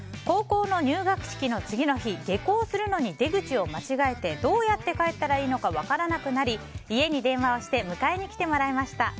高校の入学式の次の日下校するのに出口を間違えてどうやって帰ったらいいのか分からなくなり家に電話をして迎えに来てもらいました。